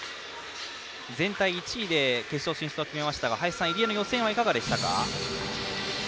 全体１位で決勝進出を決めましたが入江の予選はいかがでしたか。